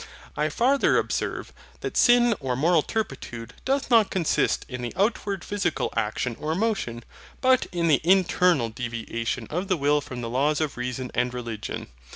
I farther observe that sin or moral turpitude doth not consist in the outward physical action or motion, but in the internal deviation of the will from the laws of reason and religion.